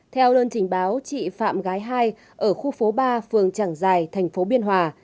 theo đơn trình báo chị phạm gái hai ở khu phố ba phường trảng giải tp biên hòa